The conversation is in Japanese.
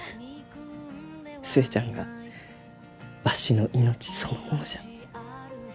寿恵ちゃんがわしの命そのものじゃ。